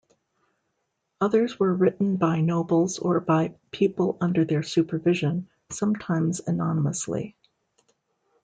Others were written by nobles or by people under their supervision, sometimes anonymously.